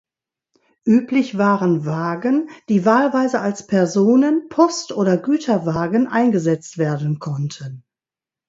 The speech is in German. Üblich waren Wagen, die wahlweise als Personen-, Post- oder Güterwagen eingesetzt werden konnten.